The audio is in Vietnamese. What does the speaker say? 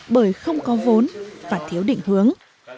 bởi không có vốn và thiếu định hướng